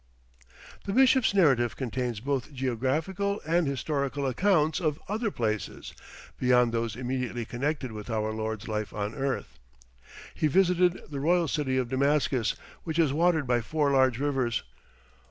The bishop's narrative contains both geographical and historical accounts of other places, beyond those immediately connected with our Lord's life on earth. He visited the royal city of Damascus, which is watered by four large rivers.